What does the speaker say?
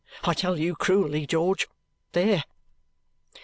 I tell you, cruelly, George. There!"